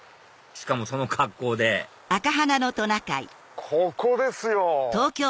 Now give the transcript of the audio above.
しかもその格好でここですよ！